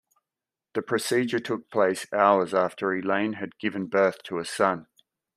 The procedure took place hours after Elaine had given birth to a son.